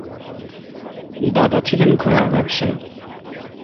দাদা ছিলেন ঘোড়ার ব্যবসায়ী।